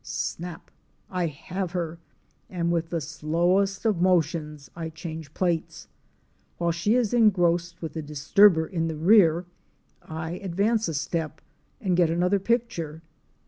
Snap! I have her! and with the slowest of motions I change plates. While she is engrossed with the disturber in the rear I advance a step and get another picture.